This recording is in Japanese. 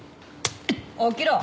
起きろ。